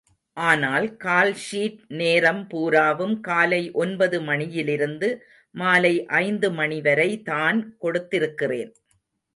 ஆனால் கால்ஷீட் நேரம் பூராவும் காலை ஒன்பது மணியிலிருந்து மாலை ஐந்து மணிவரைதான் கொடுத்திருக்கிறேன்.